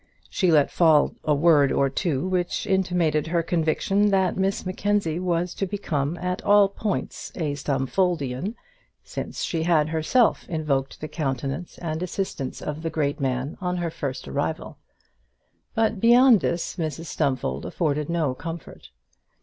She let fall a word or two which intimated her conviction that Miss Mackenzie was to become at all points a Stumfoldian, since she had herself invoked the countenance and assistance of the great man on her first arrival; but beyond this, Mrs Stumfold afforded no comfort.